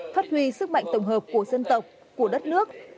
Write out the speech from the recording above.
phát huy sức mạnh tổng hợp của dân tộc của đất nước